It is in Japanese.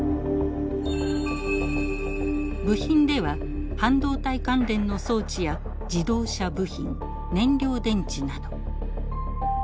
部品では半導体関連の装置や自動車部品燃料電池など。